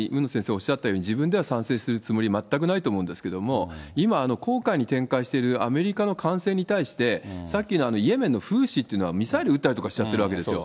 おっしゃったように、自分ではしてるつもり全くないと思うんですけども、今、紅海に展開しているアメリカの艦船に対して、さっきのイエメンのフーシっていうのはミサイル撃ったりとかしちゃってるわけですよ。